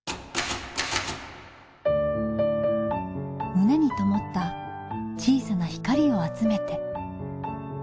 胸にともった小さな光を集めて。